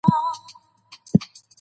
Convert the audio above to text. د ارغنداب سیند پر شاوخوا شنې ساحې سته.